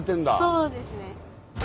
そうですね。